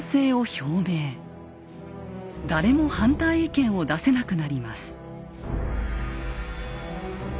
誰も反対意見を出せなくなります。